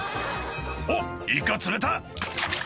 「おっイカ釣れた！」